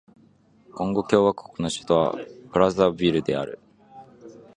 コンゴ共和国の首都はブラザヴィルである